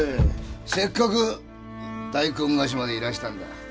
せっかく大根河岸までいらしたんだ。